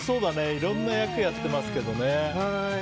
いろんな役やってますけどね。